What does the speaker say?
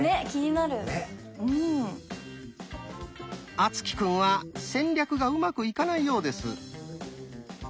敦貴くんは戦略がうまくいかないようです。